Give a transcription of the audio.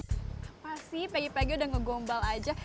apa sih peggy peggy udah ngegombal aja